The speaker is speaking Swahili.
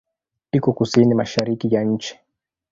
Iko kusini-mashariki ya nchi.